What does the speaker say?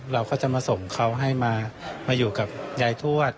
เราก็จะมาส่งเขาให้มาอยู่กับยายทวด